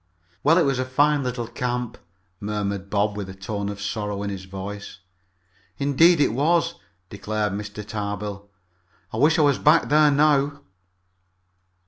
"Well, it was a fine little camp," murmured Bob, with a tone of sorrow in his voice. "Indeed it was," declared Mr. Tarbill. "I wish I was back there now."